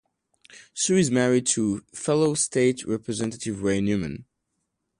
Sue is married to fellow state representative Ray Newman.